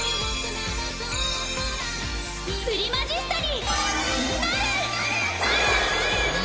プリマジスタになる！